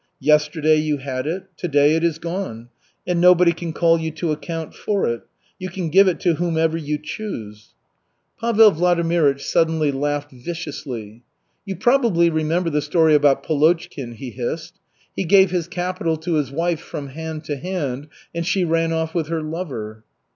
Yesterday you had it. To day it is gone. And nobody can call you to account for it. You can give it to whomever you choose." Pavel Vladimirych suddenly laughed viciously. "You probably remember the story about Polochkin," he hissed. "He gave his capital to his wife 'from hand to hand' and she ran off with her lover."